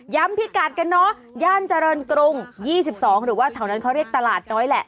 พิกัดกันเนอะย่านเจริญกรุง๒๒หรือว่าแถวนั้นเขาเรียกตลาดน้อยแหละ